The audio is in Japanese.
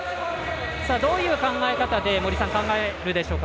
どういう考え方で考えるでしょうか